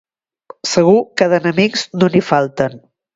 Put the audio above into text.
Segur que d'enemics no n'hi falten.